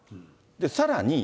さらに。